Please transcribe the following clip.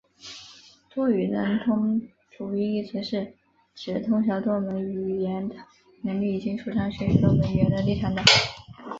多语能通主义一词是指通晓多门语言的能力以及主张学习多门语言的立场等。